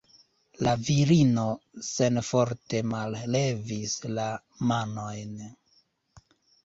La virino senforte mallevis la manojn.